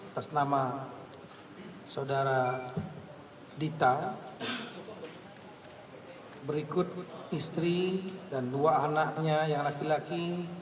atas nama saudara dita berikut istri dan dua anaknya yang laki laki